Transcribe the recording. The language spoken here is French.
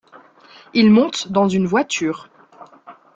Ils montent dans une voiture.